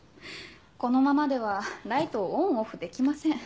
このままではライトをオンオフできません。